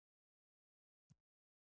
ماشوم له ملګرو سره همکاري وکړه